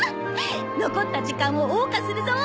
残った時間を謳歌するぞ！